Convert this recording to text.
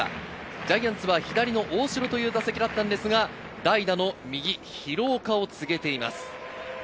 ジャイアンツは左の大城という打席だったんですが、代打の右・廣岡を告げています。